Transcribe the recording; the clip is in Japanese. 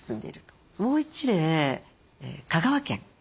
もう一例香川県。